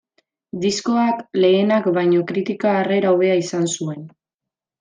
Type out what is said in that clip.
Diskoak lehenak baino kritika harrera hobea izan zuen.